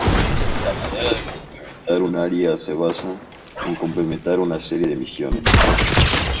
La manera de completar un área se basa en completar una serie de misiones.